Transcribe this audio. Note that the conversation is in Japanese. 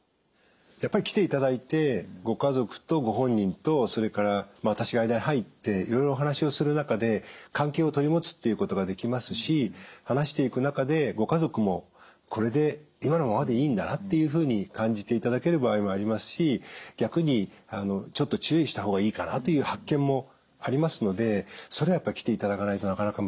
やっぱり来ていただいてご家族とご本人とそれから私が間に入っていろいろお話をする中で関係を取り持つっていうことができますし話していく中でご家族もこれで今のままでいいんだなっていうふうに感じていただける場合もありますし逆にちょっと注意した方がいいかなという発見もありますのでそれはやっぱり来ていただかないとなかなか難しい。